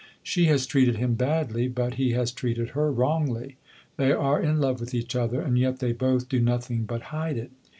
She has treated him badly, but he has treated her wrongly. They are in love with each other, and yet they both do nothing but hide it.